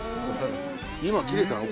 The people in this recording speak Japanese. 今切れたの？